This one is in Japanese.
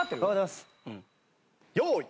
用意。